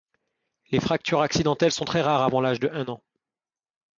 Les fractures accidentelles sont très rares avant l'âge de un an.